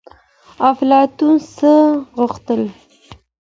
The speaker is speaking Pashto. افلاطون څه غوښتل؟